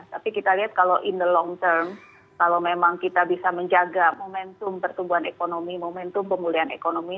tapi kita lihat kalau in the long term kalau memang kita bisa menjaga momentum pertumbuhan ekonomi momentum pemulihan ekonomi